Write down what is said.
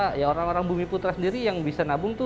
karena apa ya orang orang bumi putra sendiri yang bisa menabungnya